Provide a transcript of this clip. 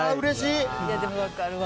でも分かるわ。